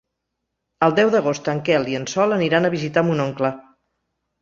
El deu d'agost en Quel i en Sol aniran a visitar mon oncle.